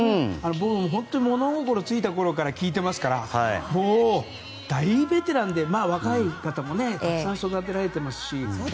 僕も物心ついたころから聴いていますから大ベテランで、若い方もたくさん育てられていますし。